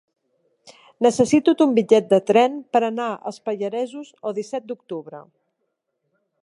Necessito un bitllet de tren per anar als Pallaresos el disset d'octubre.